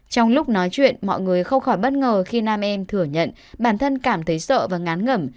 trong lúc nói chuyện mọi người không khỏi bất ngờ khi nam em thừa nhận bản thân cảm thấy sợ và ngán ngẩm